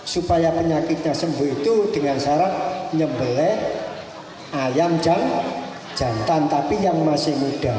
supaya penyakitnya sembuh itu dengan syarat nyembele ayam yang jantan tapi yang masih muda